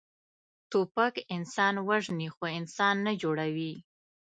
توپک انسان وژني، خو انسان نه جوړوي.